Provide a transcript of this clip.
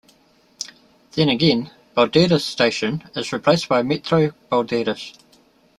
Then again, "Balderas station" is replaced by "Metro Balderas".